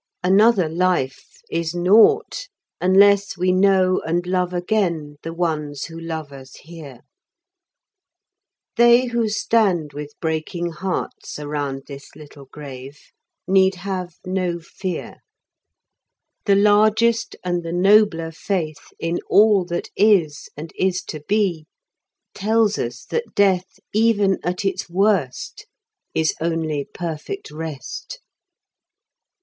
Another life is naught, unless we know and love again the ones who love us here. They who stand with breaking hearts around this little grave need have no fear. The largest and the nobler faith in all that is, and is to be, tells us that death, even at its worst, is only perfect rest.